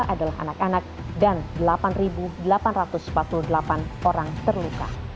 tiga ratus delapan puluh dua adalah anak anak dan delapan delapan ratus empat puluh delapan orang terluka